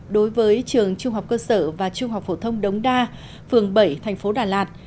đối với trường trung học cơ sở và trung học phổ thông đống đa phường bảy tp đà lạt